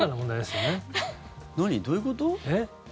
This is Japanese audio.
どういうこと？